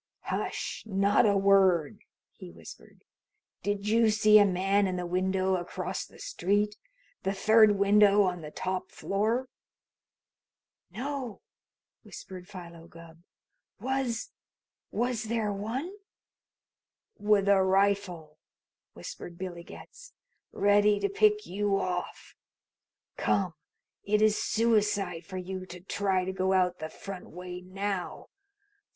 "Hush! Not a word!" he whispered. "Did you see a man in the window across the street? The third window on the top floor?" "No," whispered Philo Gubb. "Was was there one?" "With a rifle!" whispered Billy Getz. "Ready to pick you off. Come! It is suicide for you to try to go out the front way now.